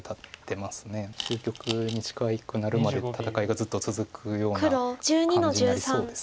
終局に近くなるまで戦いがずっと続くような感じになりそうです